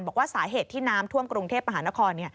บอกว่าสาเหตุที่น้ำท่วมกรุงเทพมหานคร